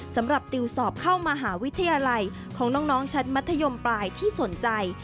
สำหรับติวสอบเข้ามหาวิทยาลัยของน้องชั้นมัธยมปลายที่สนใจ